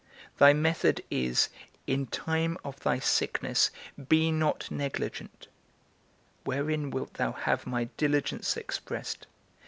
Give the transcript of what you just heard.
Thy method is, In time of thy sickness, be not negligent: wherein wilt thou have my diligence expressed?